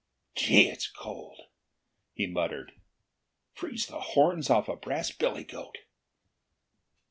"Gee, it's cold!" he muttered. "Freeze the horns off a brass billy goat!"